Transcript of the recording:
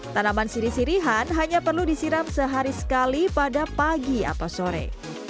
tanaman siri sirihan hanya perlu disiram sehari sekali pada pagi atau sore